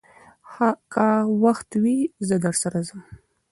که وخت وي، زه درسره ځم.